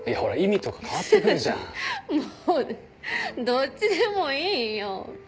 もうどっちでもいいよ